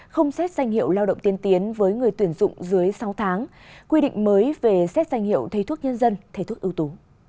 không xét danh hiệu lao động tiên tiến với người tuyển dụng dưới sáu tháng quy định mới về xét danh hiệu thầy thuốc nhân dân thầy thuốc ưu tú